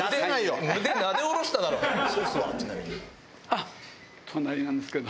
あっ隣なんですけど。